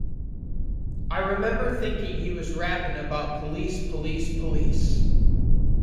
I remember thinking he was rappin' about police, police, police.